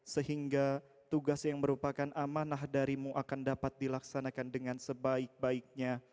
sehingga tugas yang merupakan amanah darimu akan dapat dilaksanakan dengan sebaik baiknya